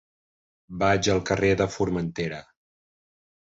Vaig al carrer de Formentera.